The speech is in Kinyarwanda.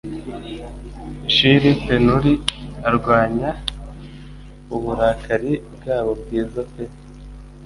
Chill Penury arwanya uburakari bwabo bwiza pe